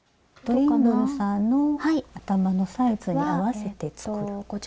トリンドルさんの頭のサイズに合わせて作る。